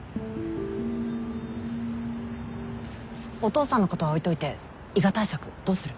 お父さんのことは置いといて伊賀対策どうする？